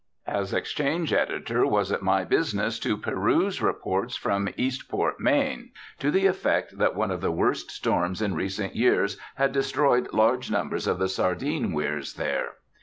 As exchange editor was it my business to peruse reports from Eastport, Maine, to the effect that one of the worst storms in recent years had destroyed large numbers of the sardine weirs there.